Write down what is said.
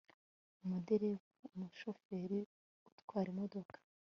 umuderevu umushoferi utwara imodoka